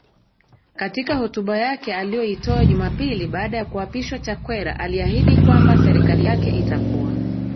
Katika hotuba yake aliyoitowa Jumapili baada ya kuapishwa Chakwera aliahidi kwamba serikali yake itakuwa